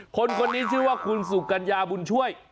คนนี้ชื่อว่าคุณสุกัญญาบุญช่วย